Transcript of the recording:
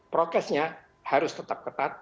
prosesnya harus tetap ketat